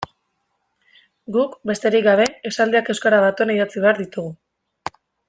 Guk, besterik gabe, esaldiak euskara batuan idatzi behar ditugu.